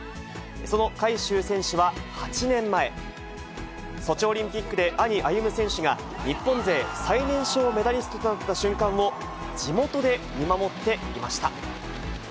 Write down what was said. その海祝選手は８年前、ソチオリンピックで兄、歩夢選手が日本勢最年少メダリストとなった瞬間を地元で見守っていました。